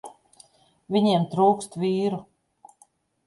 Viņiem trūkst vīru.